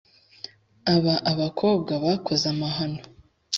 aba abakobwa bakoze amahano